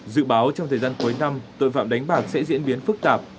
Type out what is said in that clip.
dự báo trong thời gian cuối năm tội phạm đánh bạc sẽ diễn biến phức tạp